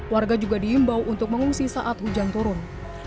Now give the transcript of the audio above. warga juga diimbau untuk mengungsi saat hujan turun